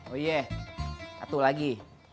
oh iya satu lagi